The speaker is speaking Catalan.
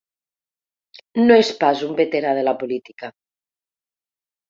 No és pas un veterà de la política.